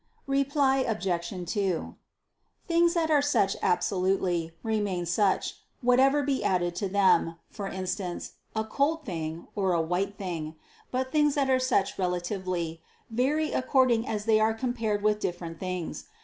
Reply Obj. 2: Things that are such absolutely, remain such, whatever be added to them; for instance, a cold thing, or a white thing: but things that are such relatively, vary according as they are compared with different things.